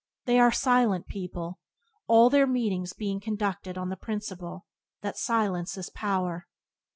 They are a silent people, all their meetings being conducted on the principle that "Silence is Power."